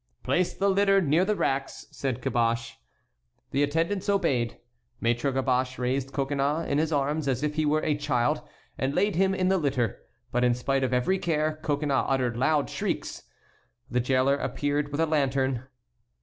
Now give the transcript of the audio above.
"Place the litter near the racks," said Caboche. The attendants obeyed. Maître Caboche raised Coconnas in his arms as if he were a child and laid him in the litter, but in spite of every care Coconnas uttered loud shrieks. The jailer appeared with a lantern.